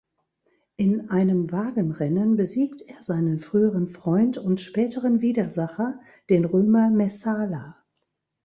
In einem Wagenrennen besiegt er seinen früheren Freund und späteren Widersacher, den Römer Messala.